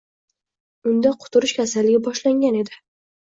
Unda quturish kasaligi boshlangan edi.